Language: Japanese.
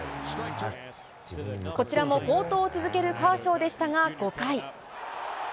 こちらも好投を続けるカーショーでしたが、５回。